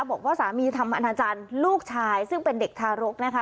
บอกว่าสามีทำอนาจารย์ลูกชายซึ่งเป็นเด็กทารกนะคะ